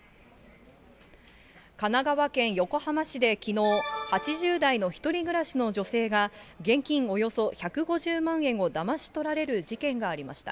神奈川県横浜市できのう、８０代の１人暮らしの女性が、現金およそ１５０万円をだまし取られる事件がありました。